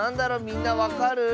みんなわかる？